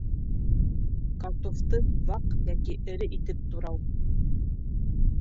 Картуфты ваҡ йәки эре итеп турау